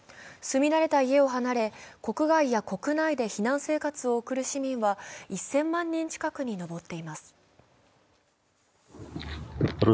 住み慣れた家を離れ国内や国外で避難生活を送る市民は１０００万人近くに上っています。